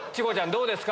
どうですか？